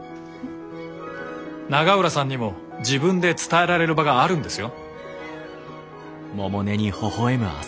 永浦さんにも自分で伝えられる場があるんですよ？